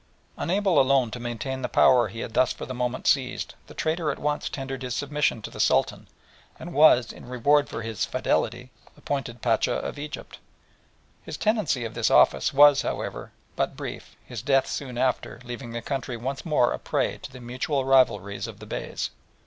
Unable alone to maintain the power he had thus for the moment seized, the traitor at once tendered his submission to the Sultan, and was, in reward for his "fidelity," appointed Pacha of Egypt. His tenancy of this office was, however, but brief, his death soon after, leaving the country once more a prey to the mutual rivalries of the Beys.